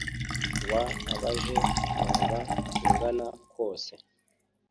W abaje waba ungana kose